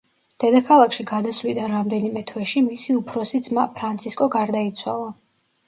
დედაქალაქში გადასვლიდან რამდენიმე თვეში მისი უფროსი ძმა ფრანცისკო გარდაიცვალა.